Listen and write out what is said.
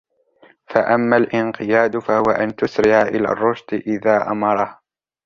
فَأَمَّا الِانْقِيَادُ فَهُوَ أَنْ تُسْرِعَ إلَى الرُّشْدِ إذَا أَمَرَهَا